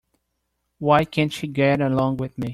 Why can't she get along with me?